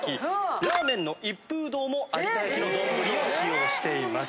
ラーメンの一風堂も有田焼の丼を使用しています。